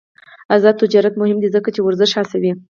آزاد تجارت مهم دی ځکه چې ورزش هڅوي.